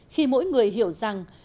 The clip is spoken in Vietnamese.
khi mỗi người hiểu rằng